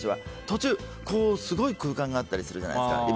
途中、すごい空間があったりするじゃないですか。